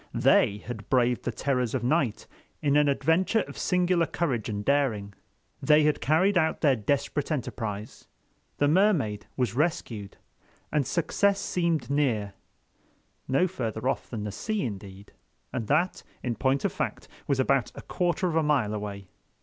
They had braved the terrors of night in an adventure of singular courage and daring, they had carried out their desperate enterprise, the Mermaid was rescued, and success seemed near—no further off than the sea indeed, and that, in point of fact, was about a quarter of a mile away.